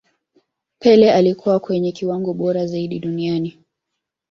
pele alikuwa kwenye kiwango bora zaidi duniani